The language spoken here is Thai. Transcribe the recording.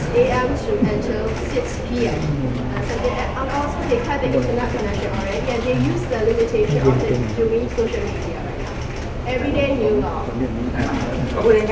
พวกมันจัดสินค้าที่๑๙นาที